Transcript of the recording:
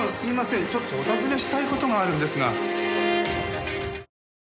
ちょっとお尋ねしたい事があるんですが。